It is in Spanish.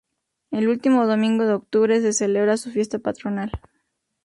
El último domingo de octubre se celebra su fiesta patronal.